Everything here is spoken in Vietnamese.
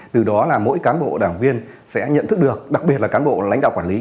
từ đó là mỗi cán bộ đảng viên sẽ nhận thức được đặc biệt là cán bộ lãnh đạo quản lý